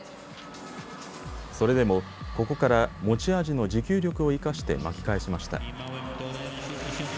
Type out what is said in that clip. それでも、ここから持ち味の持久力を生かして巻き返しました。